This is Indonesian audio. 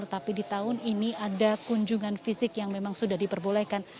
tetapi di tahun ini ada kunjungan fisik yang memang sudah diperbolehkan